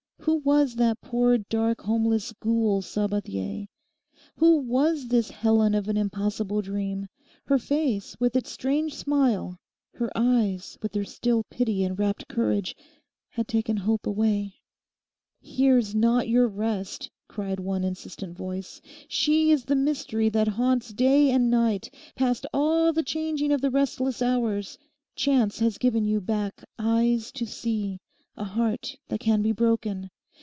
Who was that poor, dark, homeless ghoul, Sabathier? Who was this Helen of an impossible dream? Her face with its strange smile, her eyes with their still pity and rapt courage had taken hope away. 'Here's not your rest,' cried one insistent voice; 'she is the mystery that haunts day and night, past all the changing of the restless hours. Chance has given you back eyes to see, a heart that can be broken.